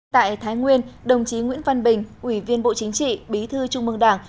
tại thái nguyên đồng chí nguyễn văn bình ủy viên bộ chính trị bí thư trung mương đảng